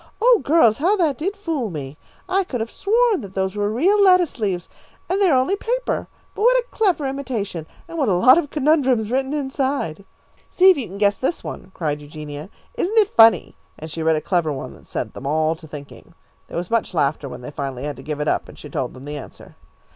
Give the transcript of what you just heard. "Oh, girls, how that did fool me. I could have sworn that those were real lettuce leaves, and they are only paper. But what a clever imitation, and what a lot of conundrums written inside!" "See if you can guess this one?" cried Eugenia. "Isn't it funny?" and she read a clever one that set them all to thinking. There was much laughter when they finally had to give it up, and she told them the answer.